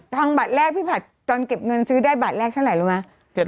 บัตรแรกพี่ผัดตอนเก็บเงินซื้อได้บัตรแรกเท่าไหร่รู้ไหม